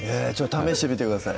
試してみてください